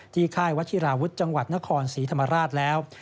ที่แค่วัชิราวุธจังหวัดนครศรีธรรมาราษแล้ว